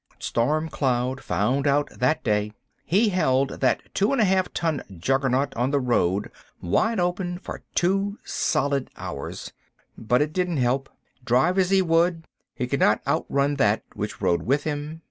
"Storm" Cloud found out that day. He held that two and a half ton Juggernaut on the road, wide open, for two solid hours. But it didn't help. Drive as he would, he could not outrun that which rode with him.